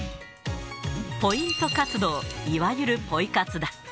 ポイント活動、いわゆるポイ活だ。